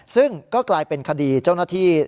ซึ่งก็กลายเป็นคดีเจ้าหน้าที่